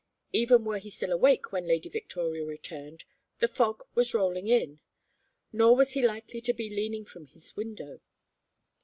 Even were he still awake when Lady Victoria returned, the fog was rolling in; nor was he likely to be leaning from his window.